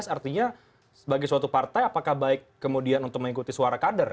artinya sebagai suatu partai apakah baik kemudian untuk mengikuti suara kader